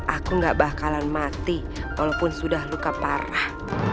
aku gak bakalan mati walaupun sudah luka parah